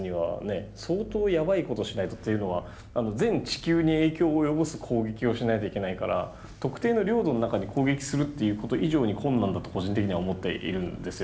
というのは全地球に影響を及ぼす攻撃をしないといけないから特定の領土の中に攻撃するっていうこと以上に困難だと個人的には思っているんですよ